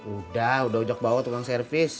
udah udah bawa tukang servis